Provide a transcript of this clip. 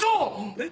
・えっ？